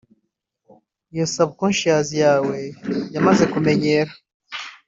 Iyo subconscious yawe yamaze kumenyera